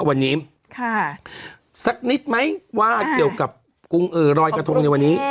วันนี้สักนิดไหมว่าเกี่ยวกับกรุงรอยกระทงในวันนี้